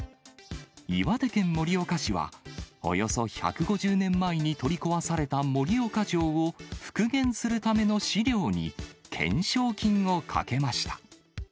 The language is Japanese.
岩手県盛岡市は、およそ１５０年前に取り壊された盛岡城を、復元するための資料に懸賞金を懸けました。